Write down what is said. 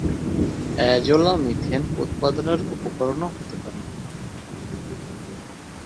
Azolla methane উৎপাদনের উপকরণও হতে পারে।